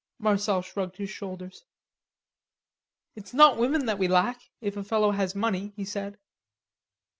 Marcel shrugged his shoulders. "It's not women that we lack, if a fellow has money," he said.